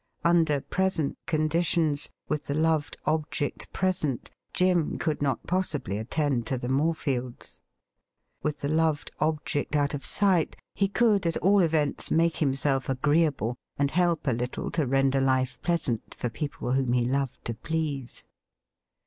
Under present condi tions, with the loved object present, Jim could not possibly attend to the Morefields. With the loved object out of sight, he could at all events make himself agreeable, and help a little to render life pleasant for people whom he loved to please.